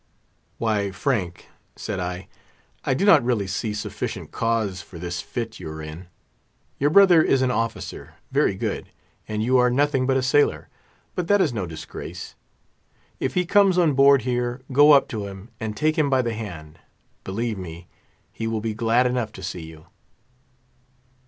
"Why, Frank," said I, "I do not really see sufficient cause for this fit you are in. Your brother is an of officer—very good; and you are nothing but a sailor—but that is no disgrace. If he comes on board here, go up to him, and take him by the hand; believe me, he will be glad enough to see you!"